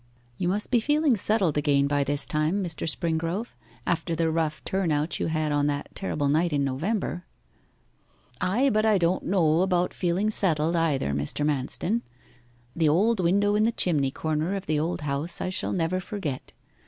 'You must be feeling settled again by this time, Mr. Springrove, after the rough turn out you had on that terrible night in November.' 'Ay, but I don't know about feeling settled, either, Mr. Manston. The old window in the chimney corner of the old house I shall never forget.